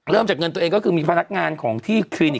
จากเงินตัวเองก็คือมีพนักงานของที่คลินิก